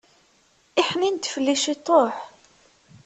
Iḥnin-d fell-i ciṭuḥ!